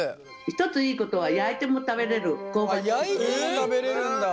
一ついいことは焼いても食べれるんだ。